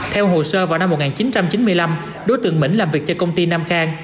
theo hồ sơ vào năm một nghìn chín trăm chín mươi năm đối tượng mỹ làm việc cho công ty nam khang